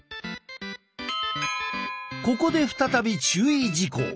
ここで再び注意事項！